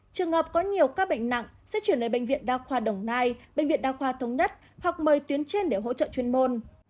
trường hợp có nhiều ca bệnh nặng sẽ chuyển đến bệnh viện đa khoa đồng nai bệnh viện đa khoa thống nhất hoặc mời tuyến trên để hỗ trợ chuyên môn